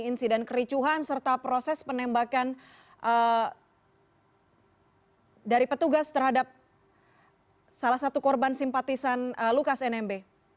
insiden kericuhan serta proses penembakan dari petugas terhadap salah satu korban simpatisan lukas nmb